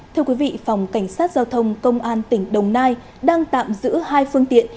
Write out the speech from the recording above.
thưa quý vị phòng cảnh sát giao thông công an tỉnh đồng nai đang tạm giữ hai phương tiện